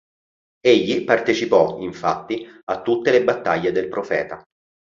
Egli partecipò, infatti, a tutte le battaglie del Profeta.